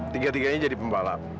tiga tiganya jadi pembalap